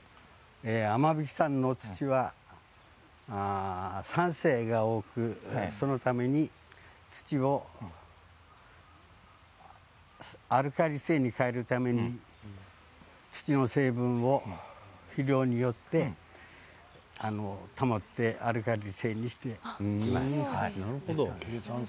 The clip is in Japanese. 雨引山の土は酸性が多く、そのために土をアルカリ性に変えるために土の成分を肥料によって保ってアルカリ性にしています。